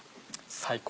最高！